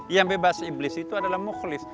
yang bebas iblis itu adalah mukhlis